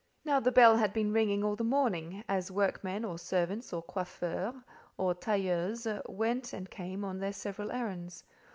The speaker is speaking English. Now the bell had been ringing all the morning, as workmen, or servants, or coiffeurs, or tailleuses, went and came on their several errands.